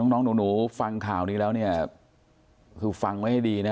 น้องหนูนี่ฟังข่าวที่เล่าคือฟังไว้ดีนะ